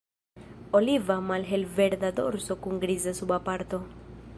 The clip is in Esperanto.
Oliva malhelverda dorso kun griza suba parto.